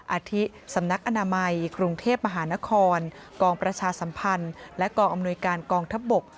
อาทิสำนักอนามัยกรุงเทพมหานครกองประชาสัมพันธ์และกองอำนวยการกองทัพบก